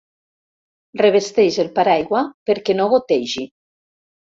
Revesteix el paraigua perquè no gotegi.